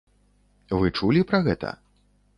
Вы чулі пра гэта?